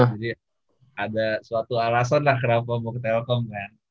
jadi ada suatu alasan lah kenapa mau ke telkom kan